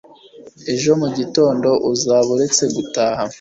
ejo mu gitondo uzaba uretse gutaha